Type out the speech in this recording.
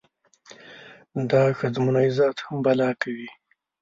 دا ښځمونی ذات هم بلا کوي.